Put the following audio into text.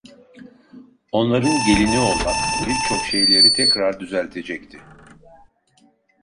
Onların gelini olmak, birçok şeyleri tekrar düzeltecekti.